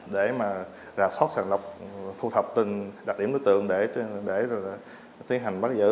để mà ra soát sàn lọc thu thập tình đặt điểm đối tượng để tiến hành bắt giữ